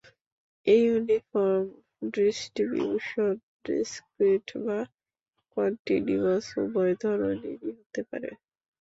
Uniform distribution discrete বা continuous উভয় ধরনেরই হতে পারে।